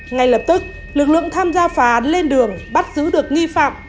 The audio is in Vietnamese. ngay lập tức lực lượng tham gia phá án lên đường bắt giữ được nghi phạm